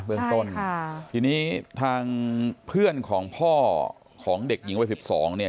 เรื่องต้นค่ะทีนี้ทางเพื่อนของพ่อของเด็กหญิงวัยสิบสองเนี่ย